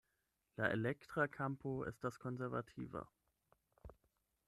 La elektra kampo estas konservativa.